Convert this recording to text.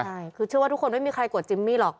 ใช่คือเชื่อว่าทุกคนไม่มีใครกดจิมมี่หรอก